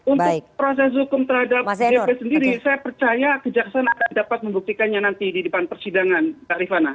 untuk proses hukum terhadap dp sendiri saya percaya kejaksaan akan dapat membuktikannya nanti di depan persidangan mbak rifana